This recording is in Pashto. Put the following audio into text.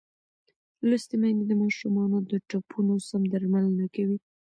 لوستې میندې د ماشومانو د ټپونو سم درملنه کوي.